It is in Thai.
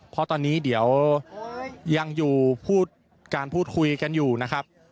เพราะตอนนี้เดี๋ยวยังอยู่พูดการพูดคุยกันอยู่นะครับ